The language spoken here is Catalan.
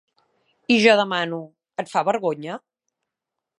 I jo demano: et fa vergonya?